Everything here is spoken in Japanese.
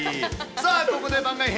さあ、ここで番外編。